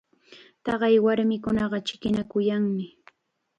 Taqay warmikunaqa chikinakuyanmi.